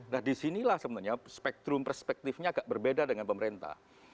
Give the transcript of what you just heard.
nah disinilah sebenarnya spektrum perspektifnya agak berbeda dengan pemerintah